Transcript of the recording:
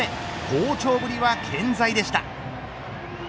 好調ぶりは健在でした。